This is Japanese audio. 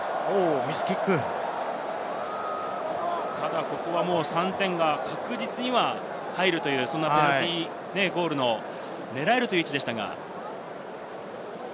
ただここは３点は確実に入るというペナルティーゴールの狙える位置でしたが。